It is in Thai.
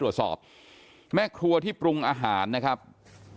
อยู่ดีมาตายแบบเปลือยคาห้องน้ำได้ยังไง